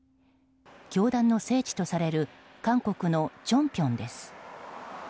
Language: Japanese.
教団の聖地とされる韓国のチョンピョンです。